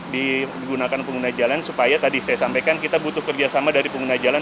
digunakan pengguna jalan supaya tadi saya sampaikan kita butuh kerjasama dari pengguna jalan